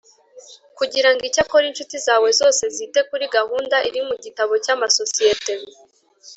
Kujyira ngo Icyakora incuti zawe zose zite kuri gahunda iri mu gitabo cy amasosiyete